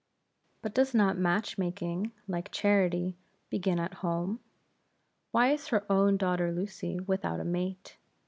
But does not match making, like charity, begin at home? Why is her own daughter Lucy without a mate?